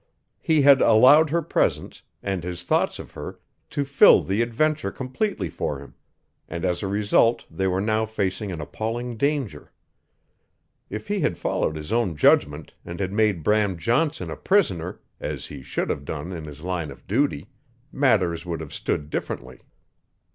He had allowed her presence, and his thoughts of her, to fill the adventure completely for him, and as a result they were now facing an appalling danger. If he had followed his own judgment, and had made Bram Johnson a prisoner, as he should have done in his line of duty, matters would have stood differently.